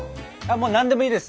何でもいいです！